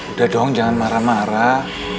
udah dong jangan marah marah